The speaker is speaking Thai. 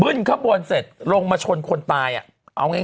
บึ้นเข้าบนเสร็จลงมาชนคนตายเอาง่าย